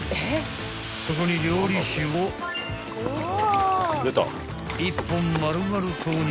［そこに料理酒を１本丸々投入］